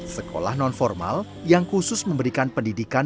sekolah non formal yang khusus memberikan pendidikan